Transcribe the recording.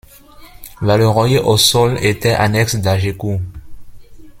Valleroy-aux-Saules était annexe d’Hagécourt.